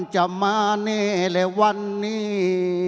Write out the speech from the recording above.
จะมานี้ไรวันนี้